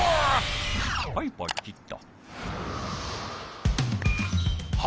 はいポチッと。